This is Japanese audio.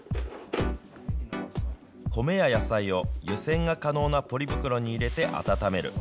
米や野菜を湯煎が可能なポリ袋に入れて温める。